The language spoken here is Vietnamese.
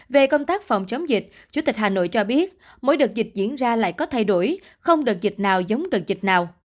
về công tác phòng chống dịch chủ tịch hà nội cho biết mỗi đợt dịch diễn ra lại có thay đổi không đợt dịch nào giống đợt dịch nào